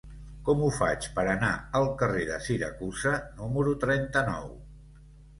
Com ho faig per anar al carrer de Siracusa número trenta-nou?